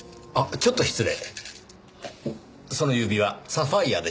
ちょっと失礼。